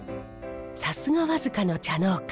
さすが和束の茶農家